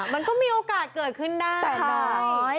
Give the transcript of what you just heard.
ไม่รู้สิมันก็มีโอกาสเกิดขึ้นได้ค่ะแต่น้อยสิดูสิ